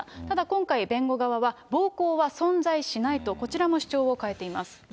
ただ今回、弁護側は暴行は存在しないと、こちらも主張を変えています。